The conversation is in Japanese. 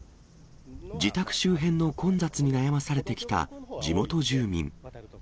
自宅周辺の混雑に悩まされてきた地元住民。